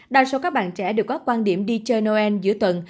đa số các bạn trẻ đều có quan điểm đi chơi noel giữa tuần